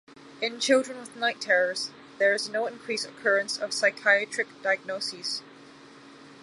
In children with night terrors, there is no increased occurrence of psychiatric diagnoses.